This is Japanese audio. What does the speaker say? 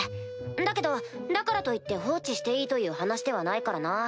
だけどだからといって放置していいという話ではないからな。